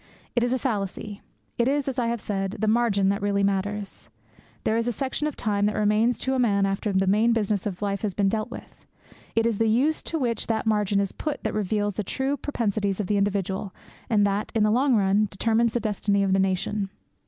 It is a fallacy. It is, as I have said, the margin that really matters. There is a section of time that remains to a man after the main business of life has been dealt with. It is the use to which that margin is put that reveals the true propensities of the individual and that, in the long run, determines the destiny of the nation.